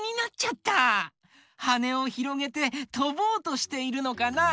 はねをひろげてとぼうとしているのかな？